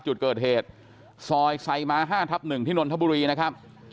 จุดเกิดเหตุซอยไซม้า๕ทับ๑ที่นนทบุรีนะครับ